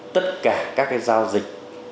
tất cả các cái giao dịch